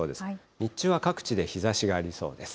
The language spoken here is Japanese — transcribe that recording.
日中は各地で日ざしがありそうです。